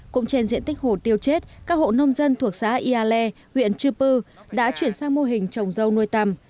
cũng trên diện tích hổ tiêu chết các hộ nông dân thuộc xã yale huyện chư pư đã chuyển sang mô hình trồng dâu nuôi tăm